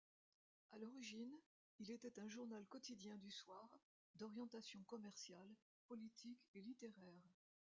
À l'origine, il était un journal quotidien du soir, d'orientation commerciale, politique et littéraire.